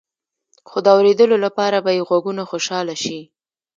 خو د اوریدلو لپاره به يې غوږونه خوشحاله شي.